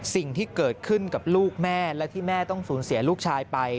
สิ่งที่เกิดขึ้นกับลูกแม่และที่แม่ต้องสูญเสียลูกชายไป